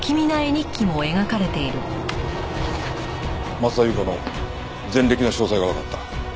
増田裕子の前歴の詳細がわかった。